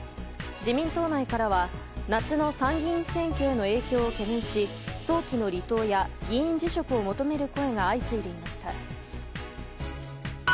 自民党内からは夏の参議院選挙の影響を懸念し早期の離党や議員辞職を求める声が相次いでいました。